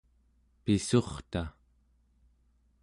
pissurta